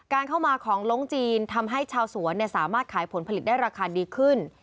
เข้ามาของลงจีนทำให้ชาวสวนสามารถขายผลผลิตได้ราคาดีขึ้น